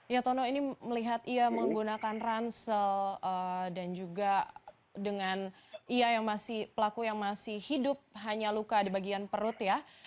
ya tono ini melihat ia menggunakan ransel dan juga dengan pelaku yang masih hidup hanya luka di bagian perut ya